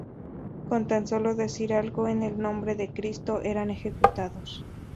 Con tan sólo decir algo en el nombre de Cristo, eran ejecutados.